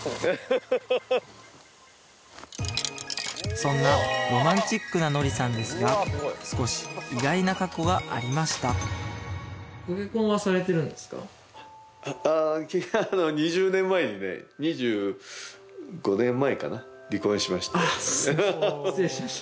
そんなロマンチックなノリさんですが少し意外な過去がありましたああ２０年前にねあすいません失礼しました